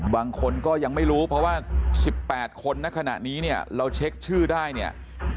บางคนก็ยังไม่รู้เพราะว่า๑๘คนในขณะนี้เนี่ยเราเช็คชื่อได้เนี่ย